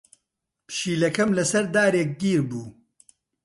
پشیلەکەم لەسەر دارێک گیر بوو.